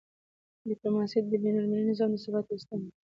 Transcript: ډیپلوماسي د بینالمللي نظام د ثبات یوه ستنه ده.